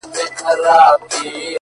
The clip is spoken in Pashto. • مودې وسوې چا یې مخ نه وو لیدلی ,